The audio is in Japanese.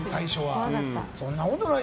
そんなことないよ。